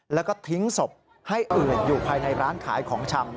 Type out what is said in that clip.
แล้วก็ทิ้งศพให้อื่นอยู่ภายในร้านขายของชำ